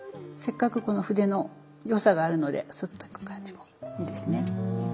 せっかくこの筆の良さがあるのでスッといく感じもいいですね。